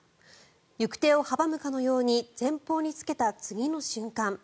行く手を阻むかのように前方につけた次の瞬間。